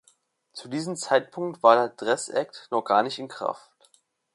Zu diesem Zeitpunkt war der Dress Act noch gar nicht in Kraft.